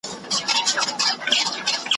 هسي نه چي دي د ژوند وروستی سفر سي ,